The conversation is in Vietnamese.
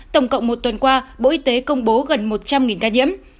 tổng cộng một tuần qua bộ y tế công bố gần một trăm linh ca nhiễm